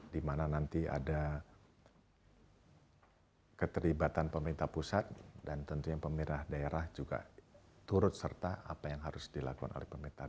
di mana nanti ada keterlibatan pemerintah pusat dan tentunya pemerintah daerah juga turut serta apa yang harus dilakukan oleh pemerintah